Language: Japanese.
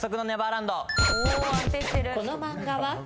この漫画は？